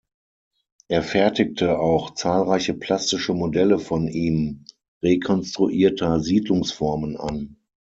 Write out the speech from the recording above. Er fertigte auch zahlreiche plastische Modelle von ihm rekonstruierter Siedlungsformen an.